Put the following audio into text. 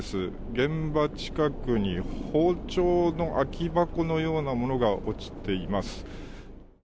現場近くに包丁の空き箱のようなものが落ちています。